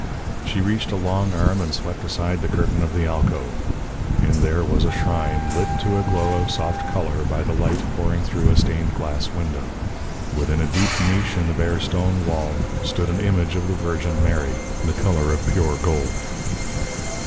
She reached a long arm and swept aside the curtain of the alcove. In there was a shrine, lit to a glow of soft colour by the light pouring through a stained glass window. Within a deep niche in the bare stone wall stood an image of the Virgin Mary, the colour of pure gold.